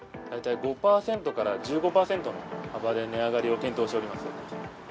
大体５％から１５％の幅で、値上がりを検討しております。